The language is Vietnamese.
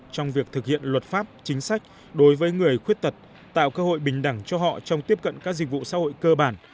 trong việc thực hiện luật pháp chính sách đối với người khuyết tật tạo cơ hội bình đẳng cho họ trong tiếp cận các dịch vụ xã hội cơ bản